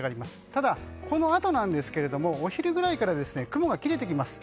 ただ、このあとお昼ぐらいから雲が切れてきます。